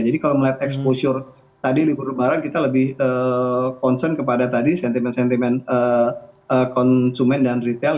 jadi kalau melihat exposure tadi di lebaran kita lebih concern kepada tadi sentimen sentimen konsumen dan retail